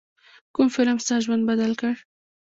کوم فلم ستا ژوند بدل کړ.